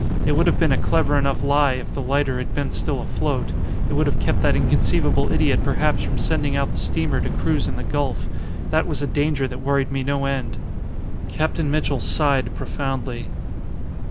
It would have been a clever enough lie if the lighter had been still afloat. It would have kept that inconceivable idiot perhaps from sending out the steamer to cruise in the gulf. That was the danger that worried me no end." Captain Mitchell sighed profoundly.